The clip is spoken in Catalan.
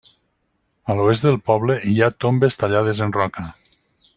A l'oest del poble hi ha tombes tallades en roca.